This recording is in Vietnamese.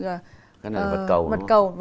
cái này là bật cầu